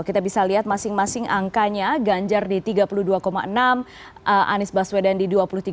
kita bisa lihat masing masing angkanya ganjar di tiga puluh dua enam anies baswedan di dua puluh tiga